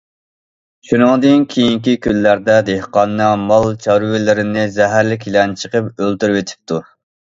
شۇنىڭدىن كېيىنكى كۈنلەردە دېھقاننىڭ مال- چارۋىلىرىنى زەھەرلىك يىلان چېقىپ ئۆلتۈرۈۋېتىپتۇ.